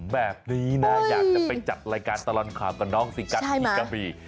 แบบนี้นะอยากจะไปจัดรายการตลอนความกับน้องซีกัสอีกครั้งหนึ่ง